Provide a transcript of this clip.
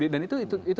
dan itu itu itu